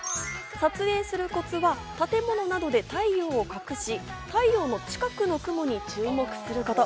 撮影するコツは、建物などで太陽を隠し、太陽の近くの雲に注目すること。